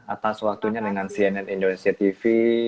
atas waktunya dengan cnn indonesia tv